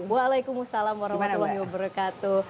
waalaikumsalam warahmatullahi wabarakatuh